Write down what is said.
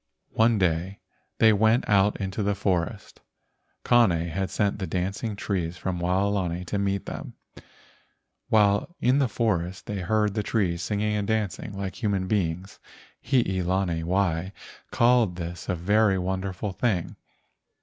One day they went out into the forest. Kane had sent the dancing trees from Waolani to meet them. While in the forest they heard the trees singing and dancing like human beings. Hii lani wai called this a very wonderful thing.